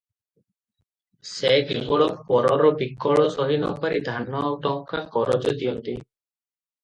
ସେ କେବଳ ପରର ବିକଳ ସହିନପାରି ଧାନ ଟଙ୍କା କରଜ ଦିଅନ୍ତି ।